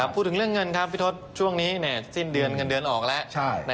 พูดถึงเรื่องเงินครับพี่ทศช่วงนี้สิ้นเดือนเงินเดือนออกแล้ว